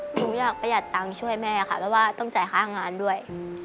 หนูอยากประหยัดตังค์ช่วยแม่ค่ะเพราะว่าต้องจ่ายค่างานด้วย